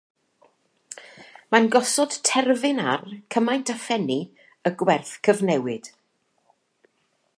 Mae'n gosod terfyn ar, cymaint â phennu, y gwerth cyfnewid.